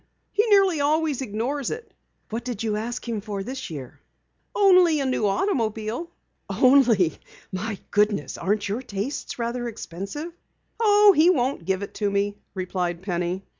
He nearly always ignores it." "What did you ask him for this year?" "Only a new automobile." "Only! My goodness, aren't your tastes rather expensive?" "Oh, he won't give it to me," replied Penny.